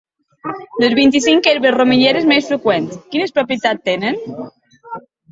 Les vint-i-cinc herbes remeieres més freqüents: quines propietats tenen?